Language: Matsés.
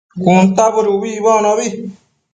cuntabëd ubi icbocno